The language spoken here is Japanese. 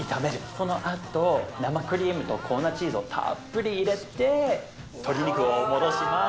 そのあと生クリームと粉チーズをたっぷり入れて鶏肉を戻します。